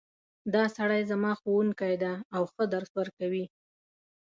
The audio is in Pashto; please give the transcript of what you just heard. دا سړی زما ښوونکی ده او ښه درس ورکوی